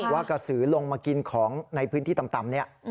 ว่ากระสือลงมากินของในพื้นที่ต่ำเนี่ย